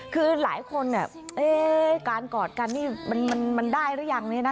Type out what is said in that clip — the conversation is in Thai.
คือหลายคนการกอดกันนี่มันได้หรือยัง